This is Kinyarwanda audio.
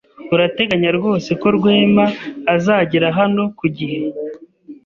Urateganya rwose ko Rwema azagera hano ku gihe?